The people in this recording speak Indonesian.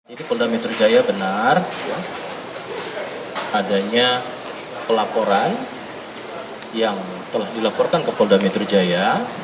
jadi polda metro jaya benar adanya pelaporan yang telah dilaporkan ke polda metro jaya